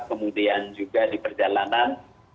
kemudian juga di perjalanan